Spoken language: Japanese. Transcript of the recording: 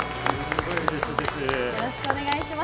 よろしくお願いします。